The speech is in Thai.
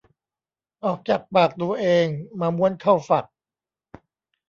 ออกจากปากตัวเองมาม้วนเข้าฝัก